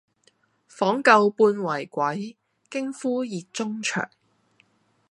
訪舊半為鬼，驚呼熱中腸。